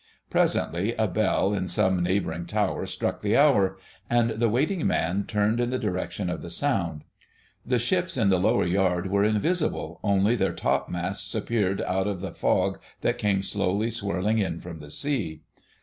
Presently a bell in some neighbouring tower struck the hour, and the waiting man turned in the direction of the sound. The ships in the lower yard were invisible, only their top masts appeared out of a fog that came slowly swirling in from the sea.